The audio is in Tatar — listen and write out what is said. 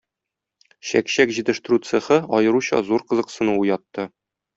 чәкчәк җитештерү цехы аеруча зур кызыксыну уятты